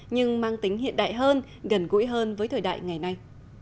nhưng mang tính hiện đại hơn gần gũi hơn với thời đại ngày nay